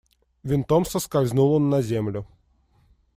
Винтом соскользнул он на землю.